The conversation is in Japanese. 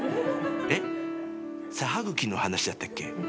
えっ坂歯グキの話だったっけ？